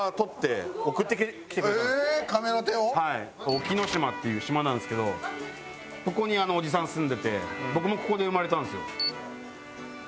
隠岐の島っていう島なんですけどここにおじさん住んでて僕もここで生まれたんですよ。